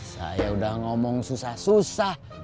saya udah ngomong susah susah